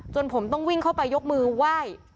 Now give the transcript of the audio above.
ผมต้องวิ่งเข้าไปยกมือไหว้